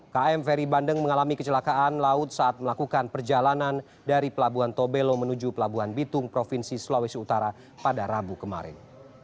km ferry bandeng mengalami kecelakaan laut saat melakukan perjalanan dari pelabuhan tobelo menuju pelabuhan bitung provinsi sulawesi utara pada rabu kemarin